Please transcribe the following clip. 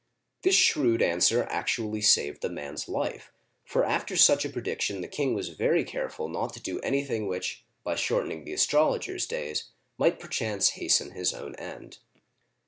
This shrewd answer actually saved the man's life, for after such a prediction the king was very careful not to do anything which, by shortening the astrologer's days, might per chance hasten his own end.